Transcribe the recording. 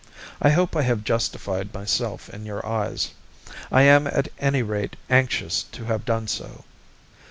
I hope I have justified myself in your eyes, I am at any rate anxious to have done so.